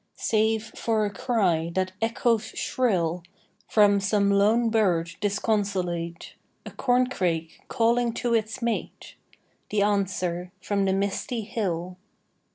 Save for a cry that echoes shrill From some lone bird disconsolate; A corncrake calling to its mate; The answer from the misty hill.